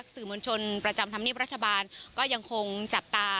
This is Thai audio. สื่อมวลชนประจำทำนิบรัฐบาลยังคงจับตา